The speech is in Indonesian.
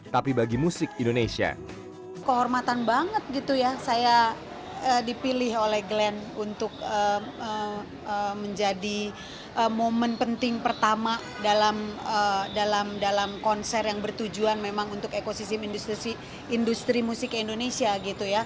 dipilih oleh glenn untuk menjadi momen penting pertama dalam konser yang bertujuan memang untuk ekosistem industri musik indonesia